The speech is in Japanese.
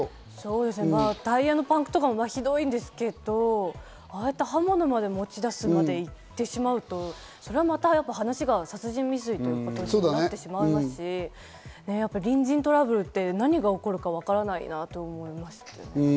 タイヤのパンクとかも酷いんですけど、ああやって刃物まで持ち出すまで行ってしまうと、それはまた話が殺人未遂になってしまいますし、隣人トラブルって何が起こるかわからないんだと思います。